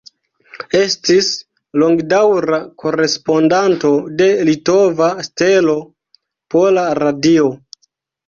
Estis longdaŭra korespondanto de "Litova Stelo", Pola Radio.